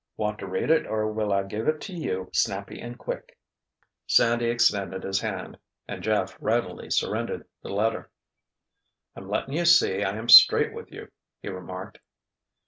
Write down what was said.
"Want to read it or will I give it to you snappy and quick?" Sandy extended his hand and Jeff readily surrendered the letter. "I'm letting you see I am straight with you," he remarked.